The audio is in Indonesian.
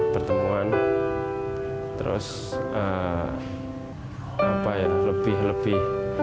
pertemuan terus lebih lebih